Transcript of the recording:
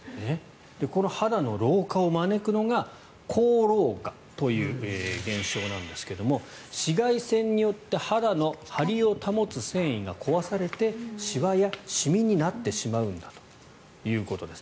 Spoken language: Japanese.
この肌の老化を招くのが光老化という現象なんですが紫外線によって肌の張りを保つ線維が壊されてシワやシミになってしまうんだということです。